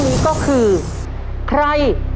เฮ้ย